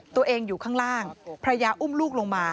อยู่ข้างล่างภรรยาอุ้มลูกลงมา